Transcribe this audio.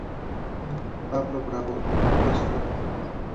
Pablo Bravo Lozano